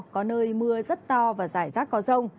có nơi mưa rất to và rải rác có rông